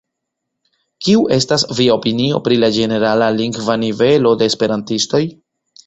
Kiu estas via opinio pri la ĝenerala lingva nivelo de esperantistoj?